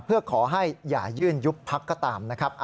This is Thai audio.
เพื่อขอให้อย่ายื่นยุบพักก็ตามนะครับ